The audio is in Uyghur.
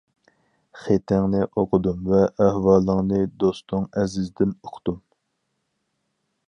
خېتىڭنى ئوقۇدۇم ۋە ئەھۋالىڭنى دوستۇڭ ئەزىزدىن ئۇقتۇم.